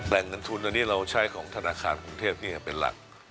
แหล่งเงินทุนอันนี้เราใช้ของธนาคารกรุงเทพเป็นหลัก